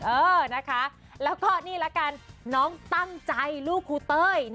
เออนะคะแล้วก็นี่ละกันน้องตั้งใจลูกครูเต้ย